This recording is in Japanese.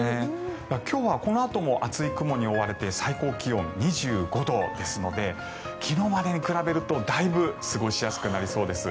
今日はこのあとも厚い雲に覆われて最高気温２５度ですので昨日までに比べると、だいぶ過ごしやすくなりそうです。